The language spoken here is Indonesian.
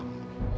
ibu mbak berhenti